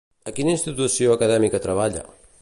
A quina institució acadèmica treballa?